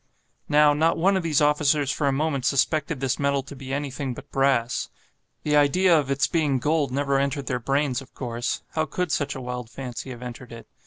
Now, not one of these officers for a moment suspected this metal to be anything but brass. The idea of its being gold never entered their brains, of course; how could such a wild fancy have entered it?